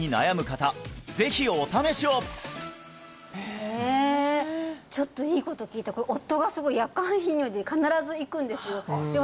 へえちょっといいこと聞いた夫がすごい夜間頻尿で必ず行くんですよで